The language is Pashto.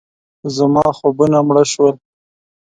زما خوبونه مړه شول.